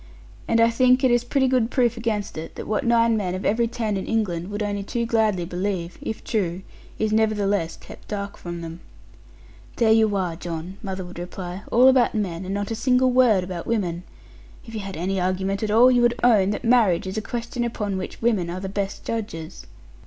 And, I think, it is pretty good proof against it, that what nine men of every ten in England would only too gladly believe, if true, is nevertheless kept dark from them.' 'There you are again, John,' mother would reply, 'all about men, and not a single word about women. If you had any argument at all, you would own that marriage is a question upon which women are the best judges.'